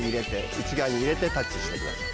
内側に入れてタッチしてください。